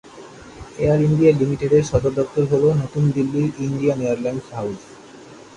Air India লিমিটেডের সদর দপ্তর হল নতুন দিল্লির ইন্ডিয়ান এয়ারলাইন্স হাউস।